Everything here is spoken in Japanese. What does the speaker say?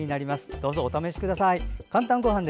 どうぞお試しください。